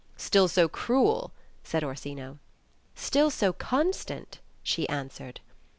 ~ "Still so cruel ?'* said Orsino. "Still so constant," she answered.